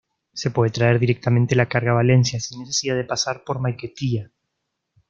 Se puede traer directamente la carga a Valencia sin necesidad de pasar por Maiquetía.